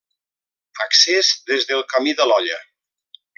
Accés des del camí de l'Olla.